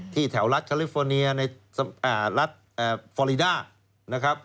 ที่แถวรัฐคาลิฟอร์เนียรัฐฟอริดา